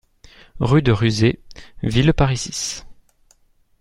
Rue de Ruzé, Villeparisis